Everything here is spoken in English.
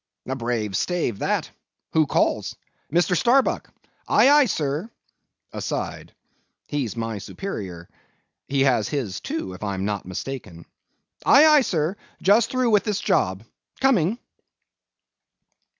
A brave stave that—who calls? Mr. Starbuck? Aye, aye, sir—(Aside) he's my superior, he has his too, if I'm not mistaken.—Aye, aye, sir, just through with this job—coming.